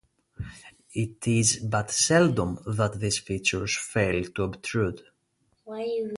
It is but seldom that these features fail to obtrude.